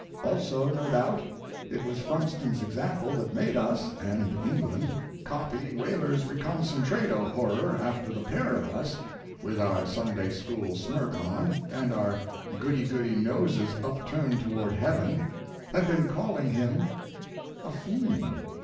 Also, no doubt, it was Funston's example that made us (and England) copy Weyler's reconcentrado horror after the pair of us, with our Sunday school smirk on, and our goody goody noses upturned toward heaven, had been calling him a " fiend."